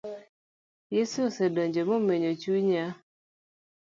Yesu osedonjo momenyo chunya